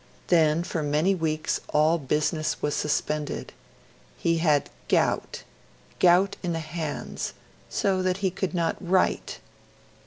Then for many weeks all business was suspended; he had gout gout in the hands so that he could not write.